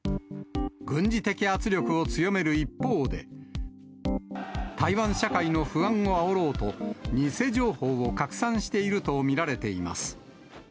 軍事的圧力を強める一方で、台湾社会の不安をあおろうと、偽情報を拡散していると見られています。